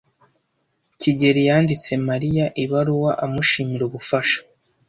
kigeli yanditse Mariya ibaruwa amushimira ubufasha.